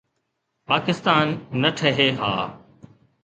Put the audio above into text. پاڪستان نه ٺهي ها.